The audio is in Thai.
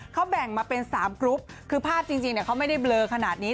เขาแบ่งมาเป็น๓กรุ๊ปคือภาพจริงเขาไม่ได้เบลอขนาดนี้